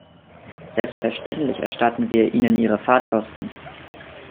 Selbstverständlich erstatten wir Ihnen Ihre Fahrtkosten.